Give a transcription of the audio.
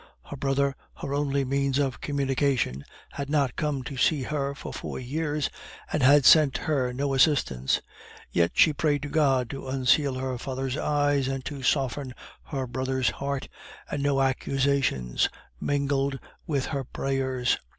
Her brother, her only means of communication, had not come to see her for four years, and had sent her no assistance; yet she prayed to God to unseal her father's eyes and to soften her brother's heart, and no accusations mingled with her prayers.